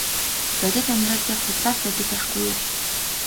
Бодит амьдрал дээр худлаа л байдаг байхгүй юу.